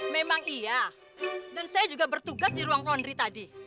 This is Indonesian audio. memang iya dan saya juga bertugas di ruang laundry tadi